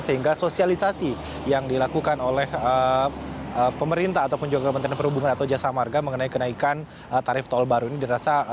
sehingga sosialisasi yang dilakukan oleh pemerintah ataupun juga kementerian perhubungan atau jasa marga mengenai kenaikan tarif tol baru ini dirasakan